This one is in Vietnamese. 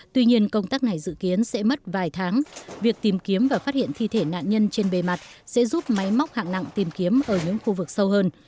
tuy nhiên công tác này dự kiến sẽ mất vài tháng việc tìm kiếm và phát hiện thi thể nạn nhân trên bề mặt sẽ giúp máy móc hạng nặng tìm kiếm ở những khu vực sâu hơn